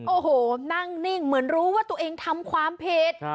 โอ้โหนั่งนิ่งเหมือนรู้ว่าตัวเองทำความผิด